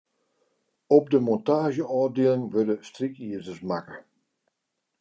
Op de montaazjeôfdieling wurde strykizers makke.